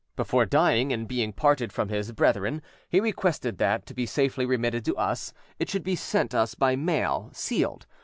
"Before dying and being parted from his brethren, he requested that, to be safely remitted to us, it should be sent us by mail, sealed.